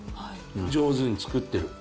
上手に作ってる。